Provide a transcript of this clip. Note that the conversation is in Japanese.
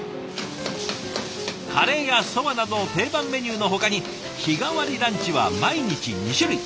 カレーやそばなど定番メニューのほかに日替わりランチは毎日２種類。